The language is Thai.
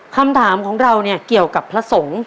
คำถามของเราเนี่ยเกี่ยวกับพระสงฆ์